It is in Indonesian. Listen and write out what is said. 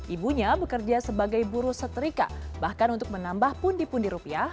ibunya bekerja sebagai buru setrika bahkan untuk menambah pundi pundi rupiah